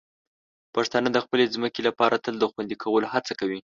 پښتانه د خپلې ځمکې لپاره تل د خوندي کولو هڅه کوي.